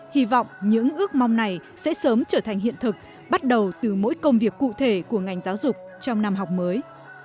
hy vọng những ước mong này sẽ sớm trở thành hiện thực bắt đầu từ mỗi công việc cụ thể của ngành giáo dục trong năm học mới